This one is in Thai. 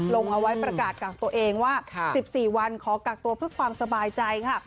ลงเอาไว้ประกาศกักตัวเองว่า๑๔วันขอกักตัวเพื่อความสบายใจค่ะ